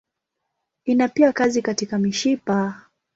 Ina pia kazi katika mishipa.